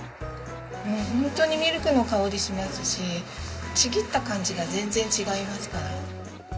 もうホントにミルクの香りしますしちぎった感じが全然違いますから。